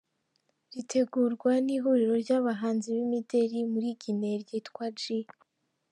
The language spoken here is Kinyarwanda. Ritegurwa n’ihuriro ry’abahanzi b’imideli muri Guinée ryitwa G.